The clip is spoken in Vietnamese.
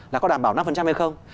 là có đảm bảo năm hay không